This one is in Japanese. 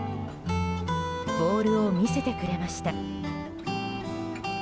ボールを見せてくれました。